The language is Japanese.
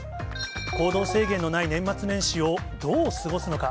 行動制限のない年末年始をどう過ごすのか。